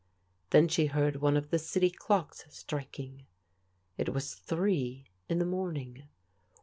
Then she heard one of the city clocks striking. It was three in the morning.